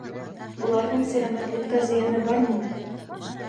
Уларҙың сәләмәтлеккә зыяны бармы?